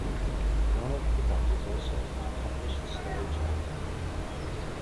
Ronald Pickup is also an accomplished stage actor.